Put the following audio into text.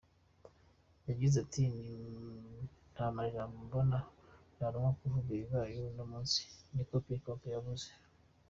Yagize ati: "Nta majambo mbona noronka yo kuvuga ibibaye uno munsi," niko Kipchoge yavuze.